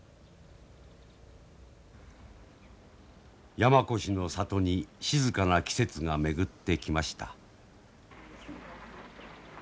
山古志の里に静かな季節が巡ってきました。